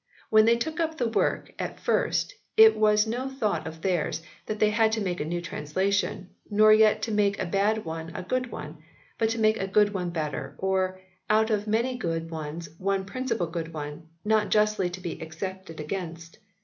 When they took up the work at first it was no thought of theirs that they had to make a new translation, nor yet to make a bad one a good one, but to make a good one better, or, out of many good ones one principal good one, not justly to be excepted against.